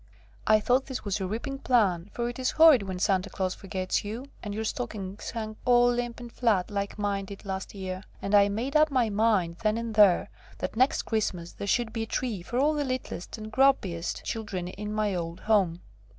I thought this was a ripping plan, for it is horrid when Santa Claus forgets you, and your stockings hang all limp and flat, like mine did last year. And I made up my mind, then and there, that next Christmas there should be a tree for all the littlest and grubbiest children in my old home.